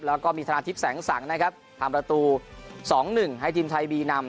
แล้วก็มีธนาทิพย์แสงสังนะครับทำประตู๒๑ให้ทีมไทยบีนำ